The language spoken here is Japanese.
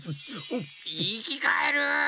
いきかえる！